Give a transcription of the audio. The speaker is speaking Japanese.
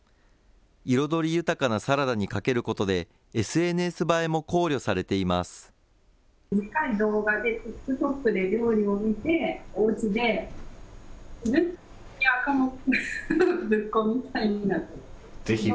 彩り豊かなサラダにかけることで、ＳＮＳ映えも考慮されています。